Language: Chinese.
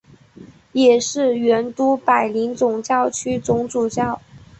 也是原都柏林总教区总主教。